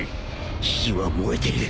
火は燃えてる。